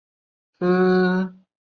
爆炸当场炸死一名儿童和一名保安。